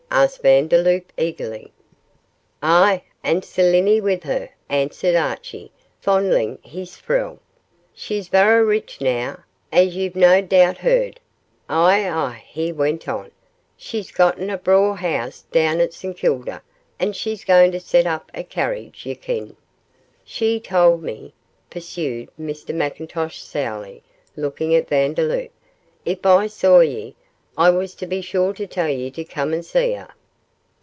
asked Vandeloup, eagerly. 'Ay, and Seliny wi' her,' answered Archie, fondling his frill; 'she's varra rich noo, as ye've nae doot heard. Ay, ay,' he went on, 'she's gotten a braw hoose doon at St Kilda, and she's going to set up a carriage, ye ken. She tauld me,' pursued Mr McIntosh, sourly, looking at Vandeloup, 'if I saw ye I was to be sure to tell ye to come an' see her.